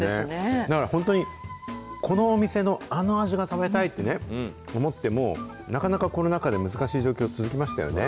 だから本当に、このお店のあの味が食べたいと思っても、なかなかコロナ禍で難しい状況続きましたよね。